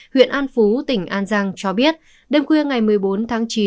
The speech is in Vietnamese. huyện an phú tỉnh an giang cho biết đêm khuya ngày một mươi bốn tháng chín